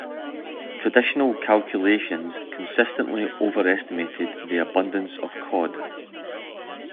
Traditional calculations consistently over-estimated the abundance of cod.